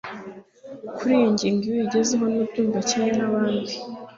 Kuri iyi ngingo iyo uyigezeho ntubyumva kimwe nabandi